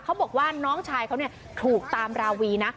เขาบอกว่าน้องชายเขาถูกตามราวีนะ